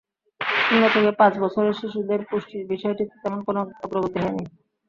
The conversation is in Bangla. শূন্য থেকে পাঁচ বছরের শিশুদের পুষ্টির বিষয়টিতে তেমন কোনো অগ্রগতি হয়নি।